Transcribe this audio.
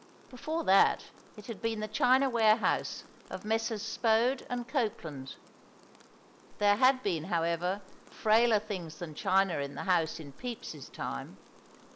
Before that it had been the china warehouse of Messrs. Spode and Copeland. There had been, however, frailer things than china in the house in Pepys's time.